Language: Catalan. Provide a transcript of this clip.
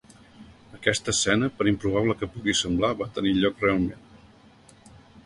Aquesta escena, per improbable que pugui semblar, va tenir lloc realment.